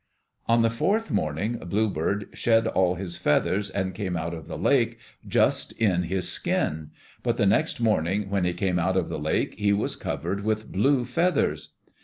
On the fourth morning Bluebird shed all his feathers and came out of the lake just in his skin. But the next morning when he came out of the lake he was covered with blue feathers.